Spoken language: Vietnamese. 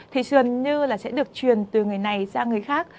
thì dường như là sẽ được truyền từ người này ra người khác